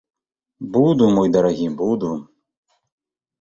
Буду, мой дарагі, буду.